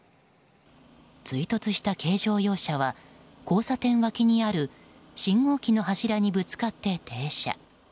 追突した軽乗用車は交差点脇にある信号機の柱にぶつかって停車。